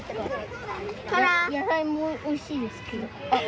野菜もおいしいんですけど。